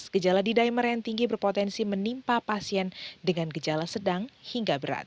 gejala d dimer yang tinggi berpotensi menimpa pasien dengan gejala sedang hingga berat